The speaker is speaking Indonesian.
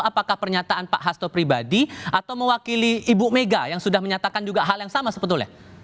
apakah pernyataan pak hasto pribadi atau mewakili ibu mega yang sudah menyatakan juga hal yang sama sebetulnya